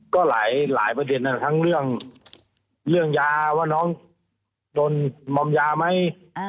ก็หลายประเด็นทั้งเรื่องยาว่าน้องโดนมอมยาไหม